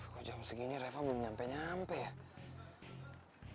kalau jam segini reva belum nyampe nyampe ya